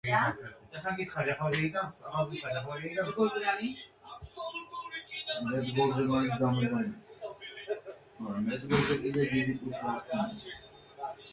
The elevator is used in ports without roll-on ramps allowing service to ordinary docks.